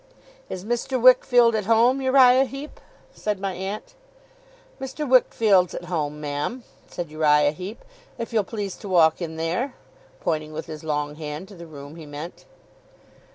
'Is Mr. Wickfield at home, Uriah Heep?' said my aunt. 'Mr. Wickfield's at home, ma'am,' said Uriah Heep, 'if you'll please to walk in there' pointing with his long hand to the room he meant.